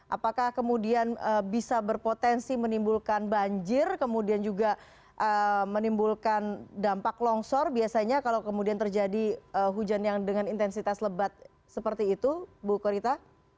apakah kemudian bisa berpotensi menimbulkan banjir kemudian juga menimbulkan dampak longsor biasanya kalau kemudian terjadi hujan yang dengan intensitas lebat seperti itu bu korita